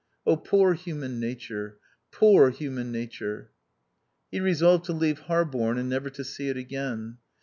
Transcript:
Oh, poor human nature, — poor human nature !" He resolved to leave Harborne and never to see it again.